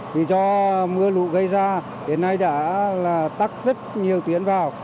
vì do mưa lụ gây ra hiện nay đã tắt rất nhiều tuyến vào